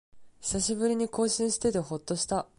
久しぶりに更新しててほっとした